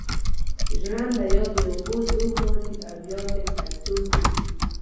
ژرنده یا د اوبو زور غواړي او یا د پیسو زور.